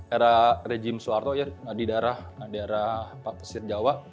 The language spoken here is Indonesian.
era rejim soeharto di daerah pak presiden jawa